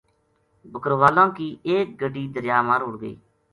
بکروالا ں کی ایک گڈی دریا ما رُڑھ گئی